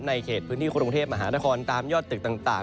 ในเขตพื้นที่กรุงเทพมหาาธกรประวัตรตามยอดตึกต่าง